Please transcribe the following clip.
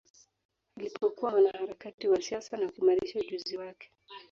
Alipokuwa mwanaharakati wa siasa na kuimarisha ujuzi wake